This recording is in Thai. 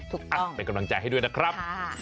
ถูกต้องเป็นกำลังใจให้ด้วยนะครับ